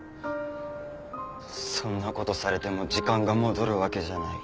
そんな事されても時間が戻るわけじゃない。